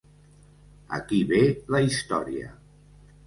Aquí ve la història